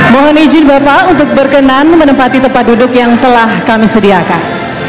mohon izin bapak untuk berkenan menempati tempat duduk yang telah kami sediakan